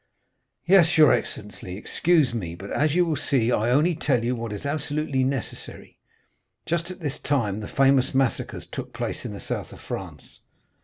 "Yes, your excellency; excuse me, but, as you will see, I only tell you what is absolutely necessary. Just at this time the famous massacres took place in the south of France.